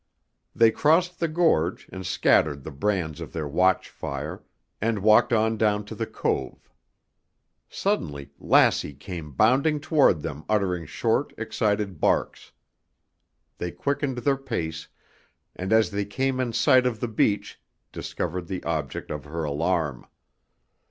They crossed the gorge and scattered the brands of their watch fire, and walked on down to the cove. Suddenly Lassie came bounding toward them uttering short, excited barks. They quickened their pace, and as they came in sight of the beach discovered the object of her alarm.